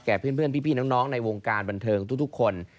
เพื่อนพี่น้องในวงการบันเทิงทุกคน